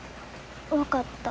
分かった。